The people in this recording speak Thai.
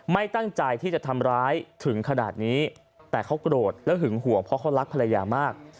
ไม่ตั้งใจที่จะทำร้ายถึงขนาดนี้แต่เขาโกรธและหึงห่วงเพราะเขารักภรรยามาก